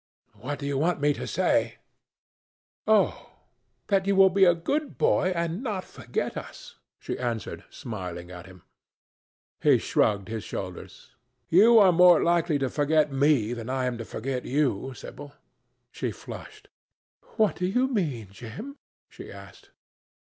"What do you want me to say?" "Oh! that you will be a good boy and not forget us," she answered, smiling at him. He shrugged his shoulders. "You are more likely to forget me than I am to forget you, Sibyl." She flushed. "What do you mean, Jim?" she asked.